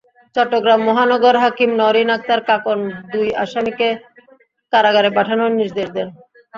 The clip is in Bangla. চট্টগ্রাম মহানগর হাকিম নওরিন আক্তার কাঁকন দুই আসামিকে কারাগারে পাঠানোর নির্দেশ দেন।